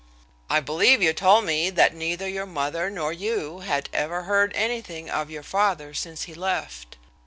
"I believe you told me that neither your mother nor you had ever heard anything of your father since he left."